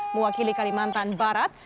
mewakili kalimantan barat